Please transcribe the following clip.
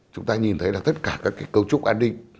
chúng ta nhìn thấy là tất cả các cái cấu trúc an ninh